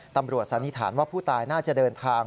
ตำรวจสานิษฐานว่าผู้ตายน่าจะเดินทาง